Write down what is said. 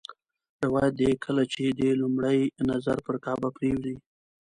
روایت دی کله چې دې لومړی نظر پر کعبه پرېوځي.